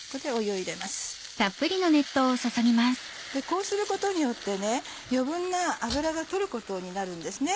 こうすることによって余分な脂を取ることになるんですね。